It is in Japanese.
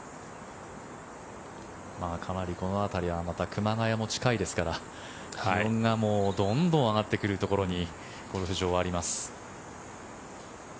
かなり、この辺りは熊谷も近いですから気温がどんどん上がってくるところにゴルフ場はあります。